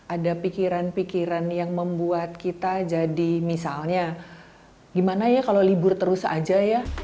ada pikiran pikiran yang membuat kita jadi misalnya gimana ya kalau libur terus aja ya